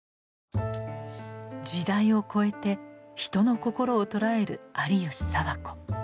時代を超えて人の心を捉える有吉佐和子。